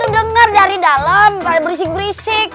dengar dari dalam berisik berisik